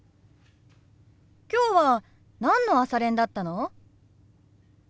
今日は何の朝練だったの？